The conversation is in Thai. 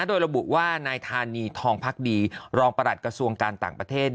โดยระบุว่านายธานีทองพักดีรองประหลัดกระทรวงการต่างประเทศ